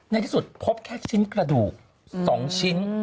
ในที่สุดพบแค่ชิ้นกระดูก๒ชิ้น